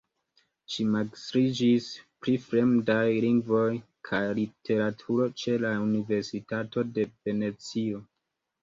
Ŝi magistriĝis pri Fremdaj lingvoj kaj Literaturo ĉe la Universitato de Venecio.